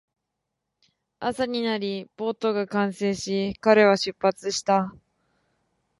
朝になり、ボートが完成し、彼は出発した